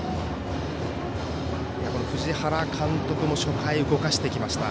藤原監督も初回、動かしてきました。